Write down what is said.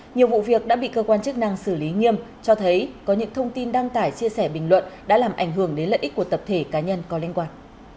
nhiều vụ việc đã bị cơ quan chức năng xử lý nghiêm cho thấy có những thông tin đăng tải chia sẻ bình luận đã làm ảnh hưởng đến lợi ích của tập thể cá nhân có liên quan